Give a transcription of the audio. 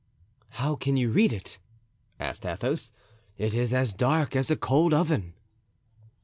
"How can you read?" asked Athos, "it is as dark as a cold oven."